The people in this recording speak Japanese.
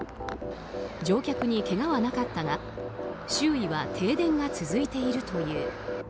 乗客にけがはなかったが周囲は停電が続いているという。